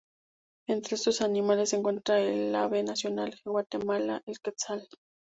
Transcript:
Entre estos animales se encuentra el Ave Nacional de Guatemala, El Quetzal.